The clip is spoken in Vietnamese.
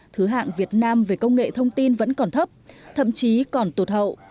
thứ hạng việt nam về công nghệ thông tin vẫn còn thấp thậm chí còn tụt hậu